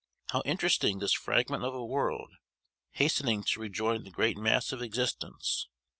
How interesting this fragment of a world, hastening to rejoin the great mass of existence!